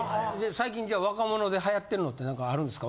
最近じゃあ若者で流行ってるのって何かあるんですか？